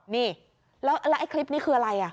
นี่แล้วไอ้คลิปนี้คืออะไร